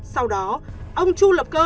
sau đó ông tru lập cơ